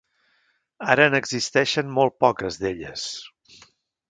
Ara n'existeixen molt poques d'elles.